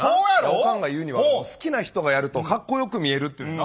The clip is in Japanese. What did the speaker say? おかんが言うには好きな人がやるとかっこよく見えるっていうのな。